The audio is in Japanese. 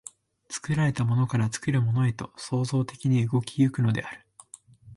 作られたものから作るものへと創造的に動き行くのである。